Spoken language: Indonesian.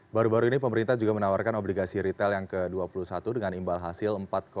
baru baru ini pemerintah juga menawarkan obligasi retail yang ke dua puluh satu dengan imbal hasil empat lima